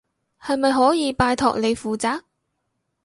係咪可以拜託你負責？